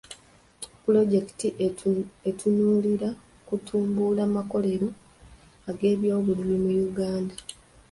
Pulojekiti etunuulira kutumbula makolero g'ebyobulimi mu Uganda.